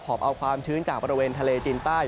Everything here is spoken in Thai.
อบเอาความชื้นจากบริเวณทะเลจีนใต้